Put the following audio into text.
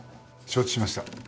承知しました。